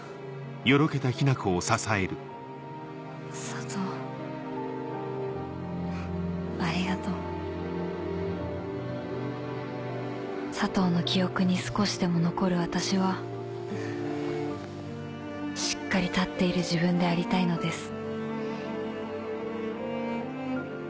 佐藤ありがとう「佐藤の記憶に少しでも残る私はしっかり立っている自分でありたいのです」。